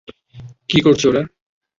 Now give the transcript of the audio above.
কী করছে ওরা?